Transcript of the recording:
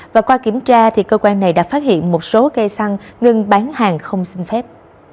và qua kiểm tra cơ quan này đã phát hiện một số cây xăng ngừng bán hàng không xin phép